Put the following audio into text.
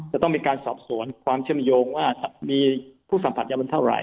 จะต้องมีการสอบสวนความเชื่อมโยงว่ามีผู้สัมผัสยาบุญเท่าไห